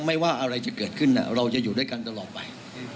ไม่ว่าอะไรจะเกิดขึ้นเราจะอยู่ด้วยกันตลอดไป